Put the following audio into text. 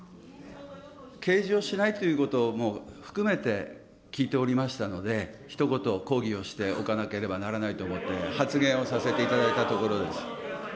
掲示をしないということを含めて聞いておりましたので、ひと言抗議をしておかなければならないと思って、発言をさせていただいたところです。